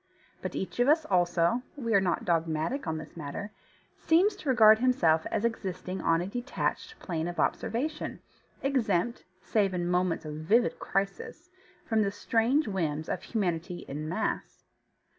But each of us also (we are not dogmatic on this matter) seems to regard himself as existing on a detached plane of observation, exempt (save in moments of vivid crisis) from the strange whims of humanity en masse.